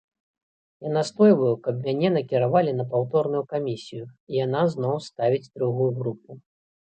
Я настойваю, каб мяне накіравалі на паўторную камісію, і яна зноў ставіць другую групу.